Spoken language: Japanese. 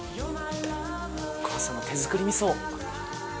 お母さんの手作り味噌！